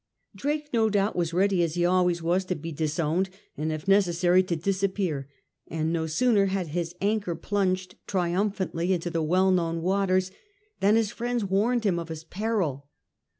^ Drake, no doubt, was ready, as he always was, to be disowned, and if necessary to disappear ; and no sooner had his anchor plunged triumphantly into the well known waters than his friends warned him of his peril.